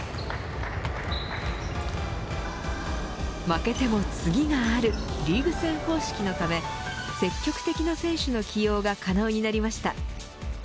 負けても次があるリーグ戦方式のため積極的な選手の起用が可能になりました。